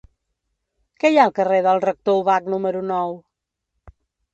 Què hi ha al carrer del Rector Ubach número nou?